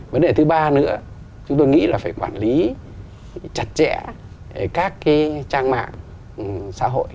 vấn đề thứ ba nữa chúng tôi nghĩ là phải quản lý chặt chẽ các trang mạng xã hội